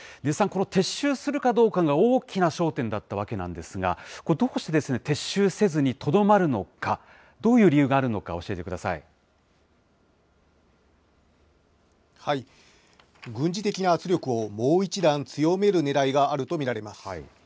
禰津さん、この撤収するかどうかが大きな焦点だったわけなんですが、これ、どうしてですね、撤収せずにとどまるのか、どういう理由があるの軍事的な圧力をもう一段強めるねらいがあると見られます。